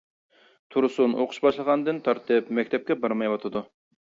تۇرسۇن ئوقۇش باشلىغاندىن تارتىپ مەكتەپكە بارمايۋاتىدۇ.